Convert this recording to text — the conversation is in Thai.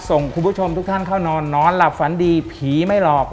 ส่งคุณผู้ชมทุกท่านเข้านอนนอนหลับฝันดีผีไม่หลอก